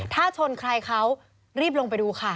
ถ้าชนใครเขารีบลงไปดูค่ะ